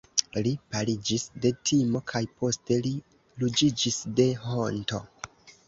Li paliĝis de timo kaj poste li ruĝiĝis de honto.